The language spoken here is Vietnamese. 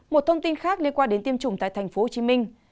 một thông tin khác liên quan đến tiêm chủng tại tp hcm